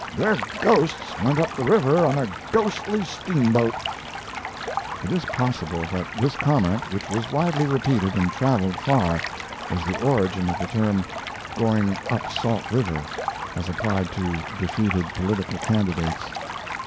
Their ghosts went up the river on a ghostly steamboat." It is possible that this comment, which was widely repeated and traveled far, was the origin of the term "Going up Salt River," as applied to defeated political candidates.